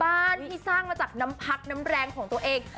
บ้านที่สร้างมาจากน้ำพักน้ำแรงของตัวเอง